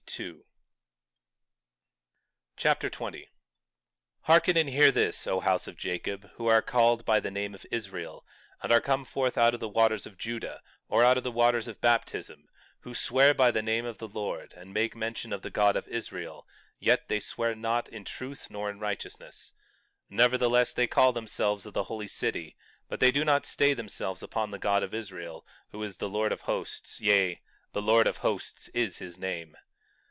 1 Nephi Chapter 20 20:1 Hearken and hear this, O house of Jacob, who are called by the name of Israel, and are come forth out of the waters of Judah, or out of the waters of baptism, who swear by the name of the Lord, and make mention of the God of Israel, yet they swear not in truth nor in righteousness. 20:2 Nevertheless, they call themselves of the holy city, but they do not stay themselves upon the God of Israel, who is the Lord of Hosts; yea, the Lord of Hosts is his name.